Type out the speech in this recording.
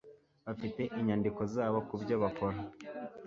Bafite inyandiko zabo kubyo bakora